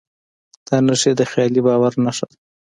دا نښې د خیالي باور نښه ده.